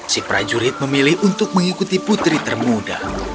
si prajurit memilih untuk mengikuti putri termuda